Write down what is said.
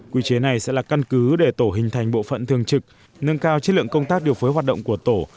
quy chế này sẽ là căn cứ để tổ hình thành bộ phận thường trực nâng cao chất lượng công tác điều phối hoạt động của tổ